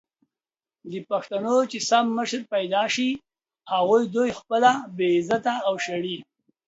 د پښتنو چې سم مشر پېدا سي هغه دوي خپله بې عزته او وشړي!